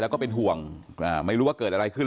แล้วก็เป็นห่วงไม่รู้ว่าเกิดอะไรขึ้น